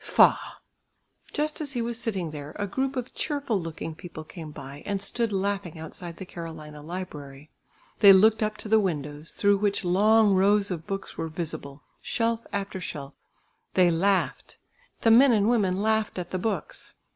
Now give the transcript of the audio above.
Faugh! Just as he was sitting there, a group of cheerful looking people came by, and stood laughing outside the Carolina library. They looked up to the window's, through which long rows of books were visible, shelf after shelf. They laughed, the men and women laughed at the books.